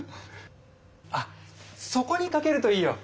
あっそこにかけるといいよ！